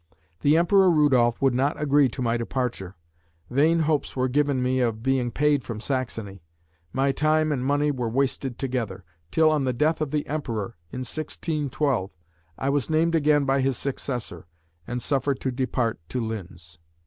The Emperor Rudolph would not agree to my departure; vain hopes were given me of being paid from Saxony; my time and money were wasted together, till on the death of the Emperor in 1612, I was named again by his successor, and suffered to depart to Linz."